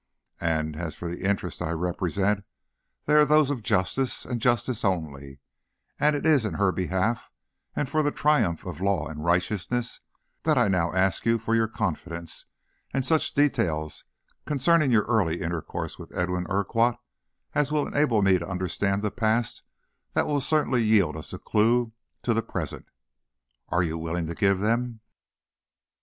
As for the interests I represent, they are those of justice, and justice only; and it is in her behalf and for the triumph of law and righteousness that I now ask you for your confidence and such details concerning your early intercourse with Edwin Urquhart as will enable me to understand a past that will certainly yield us a clew to the present. Are you willing to give them?"